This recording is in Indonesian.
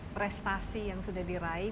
prestasi yang sudah diraih